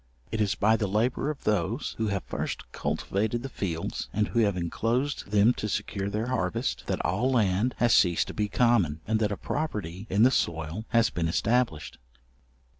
It is by the labour of those who have first cultivated the fields, and who have inclosed them to secure their harvest, that all land has ceased to be common, and that a property in the soil has been established.